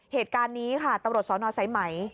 เหตุการณ์นี้ค่ะตำรวจซ้อนฮอล์ไซมัย